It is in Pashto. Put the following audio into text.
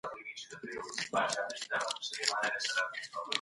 دا مبارزه يوازي